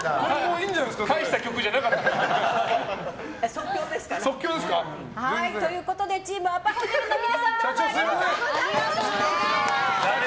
即興ですからね。ということでチームアパホテルの皆さんどうもありがとうございました！